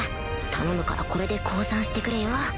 頼むからこれで降参してくれよ